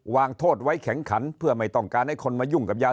วางโทษไว้แข็งขันเพื่อไม่ต้องการให้คนมายุ่งกับยา